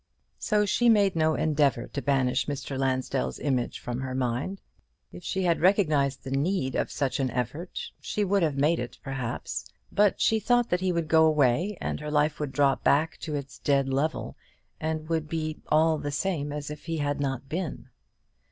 So she made no endeavour to banish Mr. Lansdell's image from her mind. If she had recognized the need of such an effort, she would have made it, perhaps. But she thought that he would go away, and her life would drop back to its dead level, and would be "all the same as if he had not been."